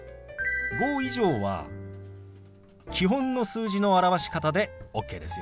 ５以上は基本の数字の表し方でＯＫですよ。